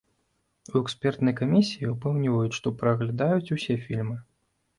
У экспертнай камісіі ўпэўніваюць, што праглядаюць усе фільмы.